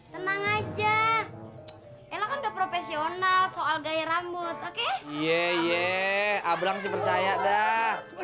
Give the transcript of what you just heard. tenang aja elah kan udah profesional soal gaya rambut oke ye abrang si percaya dah